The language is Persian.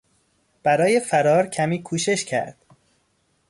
برای فرار کمی کوشش کرد.